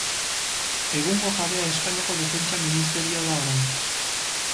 Egungo jabea Espainiako Defentsa Ministerioa da oraindik.